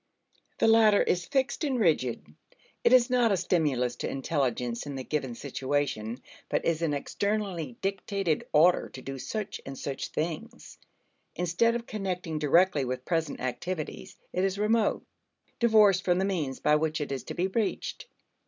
The latter is fixed and rigid; it is not a stimulus to intelligence in the given situation, but is an externally dictated order to do such and such things. Instead of connecting directly with present activities, it is remote, divorced from the means by which it is to be reached.